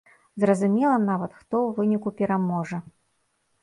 Зразумела нават, хто ў выніку пераможа.